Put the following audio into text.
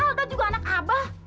kan alda juga anak abah